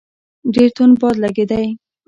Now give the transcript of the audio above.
ډېر توند باد لګېدی.